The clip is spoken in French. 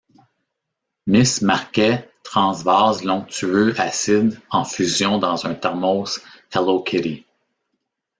Miss Marquet transvase l'onctueux acide en fusion dans un thermos Hello Kitty.